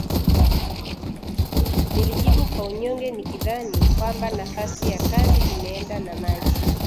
Nilijibu kwa unyonge nikidhani kwamba nafasi ya kazi imeenda na maji